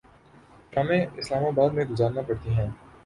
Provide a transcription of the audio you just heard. شامیں Islamabad میں گزارنا پڑتی ہیں۔